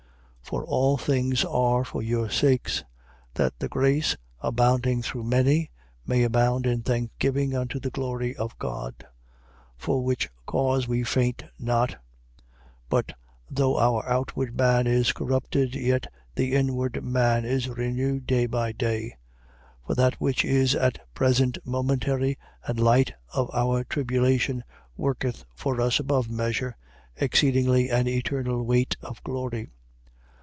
4:15. For all things are for your sakes: that the grace, abounding through many, may abound in thanksgiving unto the glory of God. 4:16. For which cause we faint not: but though our outward man is corrupted, yet the inward man is renewed day by day. 4:17. For that which is at present momentary and light of our tribulation worketh for us above measure, exceedingly an eternal weight of glory.